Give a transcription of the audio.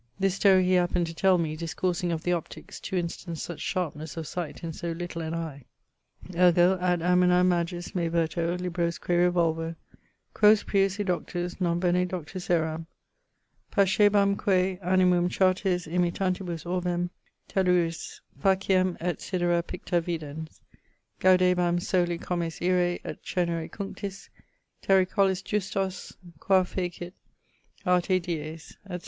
] This story he happened to tell me, discoursing of the Optiques, to instance such sharpnes of sight in so little an eie. Ergo ad amoena magis me verto, librosque revolvo, Quos prius edoctus, non bene doctus eram. Pascebamque animum chartis imitantibus orbem, Telluris faciem, et sydera picta videns, Gaudebam soli comes ire, et cernere cunctis Terricolis justos qua facit arte dies; etc.